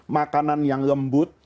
makanan yang lembut